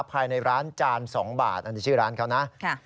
ภายในร้านจาน๒บาทอันนี้ชื่อร้านเขานะ